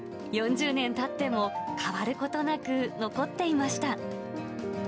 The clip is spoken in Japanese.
４０年たっても、変わることなく残っていました。